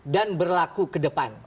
dan berlaku kedepan